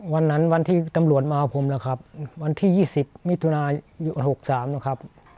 วันนั้นวันที่ตำรวจมาเอาผมนะครับวันที่๒๐มิถุนายุ๖๓นะครับ